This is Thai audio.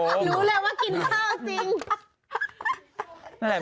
รู้แล้วว่ากินข้าวจริง